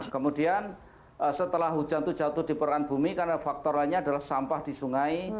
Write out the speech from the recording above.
kemudian setelah hujan itu jatuh di peran bumi karena faktor lainnya adalah sampah di sungai